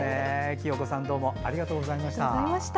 清子さん、どうもありがとうございました。